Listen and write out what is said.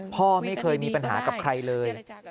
พ่อไม่เคยมีปัญหากับใครเลย